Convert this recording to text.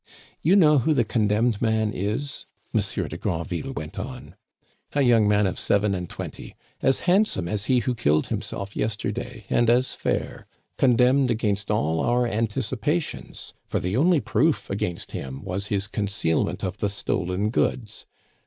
"You know who the condemned man is?" Monsieur de Granville went on. "A young man of seven and twenty as handsome as he who killed himself yesterday, and as fair; condemned against all our anticipations, for the only proof against him was his concealment of the stolen goods.